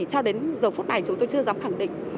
cho đến giờ phút này chúng tôi chưa dám khẳng định